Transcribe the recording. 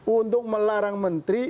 untuk melarang menteri